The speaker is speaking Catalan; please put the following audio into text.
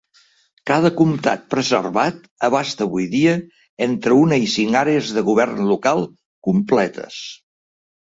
Cada comtat preservat abasta avui dia entre una i cinc àrees de govern local completes.